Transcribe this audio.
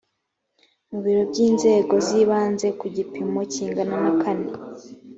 mu biro by inzego z ibanze ku gipimo kingana na kane